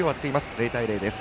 ０対０です。